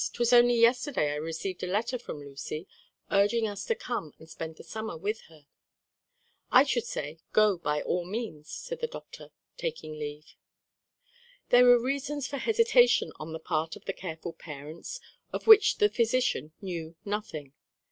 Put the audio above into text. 'Twas only yesterday I received a letter from Lucy, urging us to come and spend the summer with her." "I should say go by all means," said the doctor, taking leave. There were reasons for hesitation on the part of the careful parents of which the physician knew nothing.